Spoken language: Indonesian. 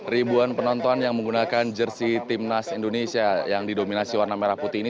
ribuan penonton yang menggunakan jersi timnas indonesia yang didominasi warna merah putih ini